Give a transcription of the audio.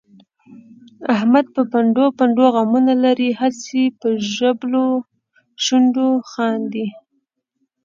احمد په پنډو پنډو غمونه لري، هسې په ژبلو شونډو خاندي.